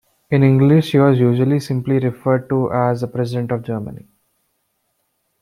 In English he was usually simply referred to as the President of Germany.